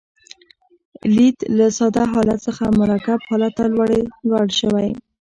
لید له ساده حالت څخه مرکب حالت ته لوړ شوی.